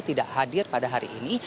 tidak hadir pada hari ini